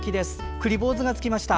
くり坊主がつきました。